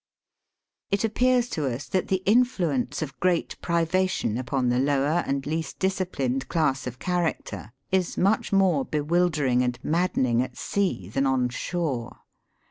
It appears to us that the influence of great privation upon the lower and least disciplined class of character, is much more bewilder ing and maddening at sea than on shore.